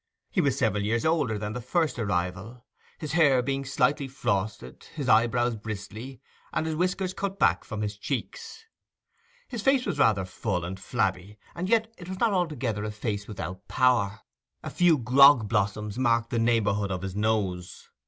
He was several years older than the first arrival, his hair being slightly frosted, his eyebrows bristly, and his whiskers cut back from his cheeks. His face was rather full and flabby, and yet it was not altogether a face without power. A few grog blossoms marked the neighbourhood of his nose.